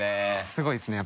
すごいですね